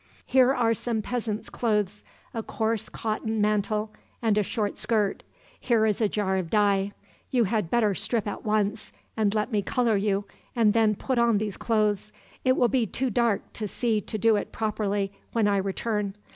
"Here are some peasant's clothes a coarse cotton mantle, and a short skirt. Here is a jar of dye. You had better strip at once, and let me color you, and then put on these clothes. It will be too dark to see to do it properly, when I return.